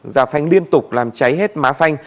giả phanh liên tục làm cháy hết má phanh